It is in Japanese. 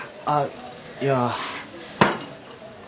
あっいや。